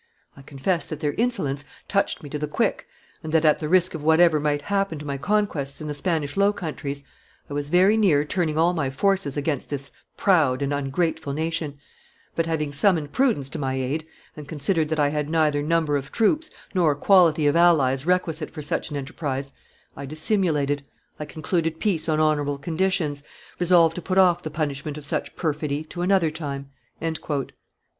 I confess that their insolence touched me to the quick, and that, at the risk of whatever might happen to my conquests in the Spanish Low Countries, I was very near turning all my forces against this proud and ungrateful nation; but, having summoned prudence to my aid, and considered that I had neither number of troops nor quality of allies requisite for such an enterptise, I dissimulated, I concluded peace on honorable conditions, resolved to put off the punishment of such perfidy to another time."